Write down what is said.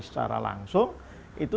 secara langsung itu